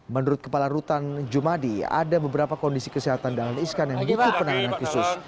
menurut kepala rutan jumadi ada beberapa kondisi kesehatan dahlan iskan yang butuh penanganan khusus